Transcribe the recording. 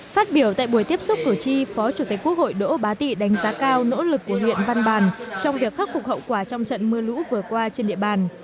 phát biểu tại buổi tiếp xúc cử tri phó chủ tịch quốc hội đỗ bá tị đánh giá cao nỗ lực của huyện văn bàn trong việc khắc phục hậu quả trong trận mưa lũ vừa qua trên địa bàn